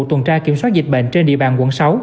tuần tra kiểm soát dịch bệnh trên địa bàn quận sáu